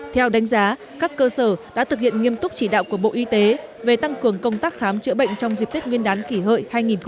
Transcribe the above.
theo đánh giá các cơ sở đã thực hiện nghiêm túc chỉ đạo của bộ y tế về tăng cường công tác khám chữa bệnh trong dịp tết nguyên đán kỷ hợi hai nghìn một mươi chín